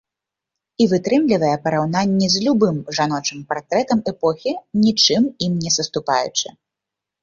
І вытрымлівае параўнанні з любым жаночым партрэтам эпохі, нічым ім не саступаючы.